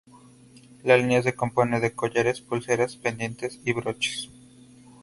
La línea se compone de collares, pulseras, pendientes y broches.